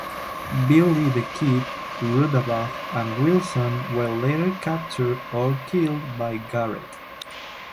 Billy the Kid, Rudabaugh, and Wilson were later captured or killed by Garrett.